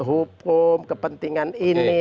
hukum kepentingan ini